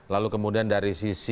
lalu kemudian dari sisi